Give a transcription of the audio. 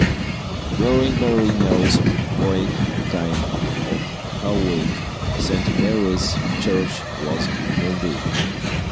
During Birinus's brief time at Hamwic, Saint Mary's Church was founded.